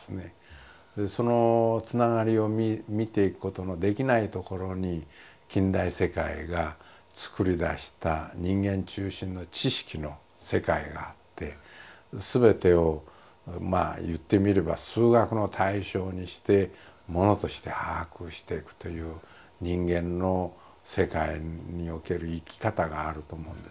そのつながりを見ていくことのできないところに近代世界がつくり出した人間中心の知識の世界があって全てをまあ言ってみれば数学の対象にして物として把握していくという人間の世界における生き方があると思うんですね。